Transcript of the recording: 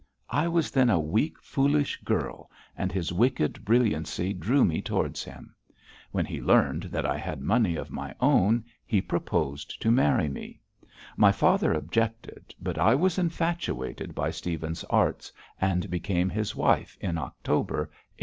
I was then a weak, foolish girl, and his wicked brilliancy drew me towards him. When he learned that I had money of my own he proposed to marry me. My father objected, but I was infatuated by Stephen's arts, and became his wife in October 1870.'